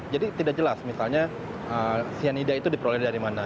jadi tidak jelas misalnya sianida itu diperoleh dari mana